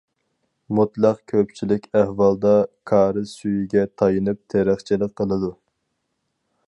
مۇتلەق كۆپچىلىك ئەھۋالدا، كارىز سۈيىگە تايىنىپ تېرىقچىلىق قىلىدۇ.